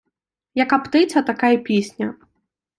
Яка птиця, така й пісня.